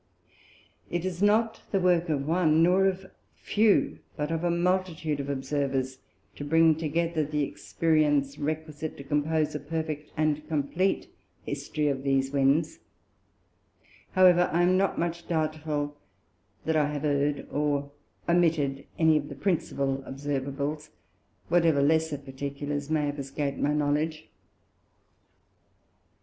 It is not the work of one, nor of few, but of a multitude of Observers, to bring together the Experience requisite to compose a perfect and compleat History of these Winds; however I am not much doubtful that I have err'd in, or omitted any of the principal Observables, whatever lesser Particulars may have escaped my Knowledge.